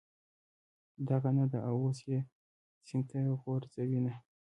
دغه نه ده، اوس یې سین ته غورځوینه.